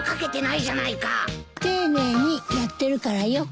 丁寧にやってるからよ。